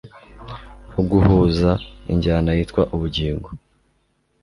wo guhuza injyana yitwa ubugingo